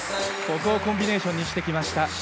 ここをコンビネーションにしてきました。